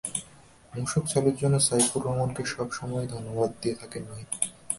মূসক চালুর জন্য সাইফুর রহমানকে সব সময়ই ধন্যবাদ দিয়ে থাকেন মুহিত।